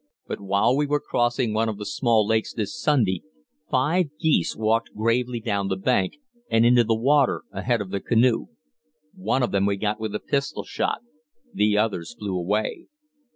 But while we were crossing one of the small lakes this Sunday, five geese walked gravely down the bank and into the water ahead of the canoe. One of them we got with a pistol shot; the others flew away.